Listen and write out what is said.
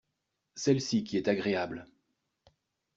Celle-ci qui est agréable.